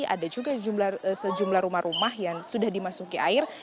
ada juga sejumlah rumah rumah yang sudah dimasuki air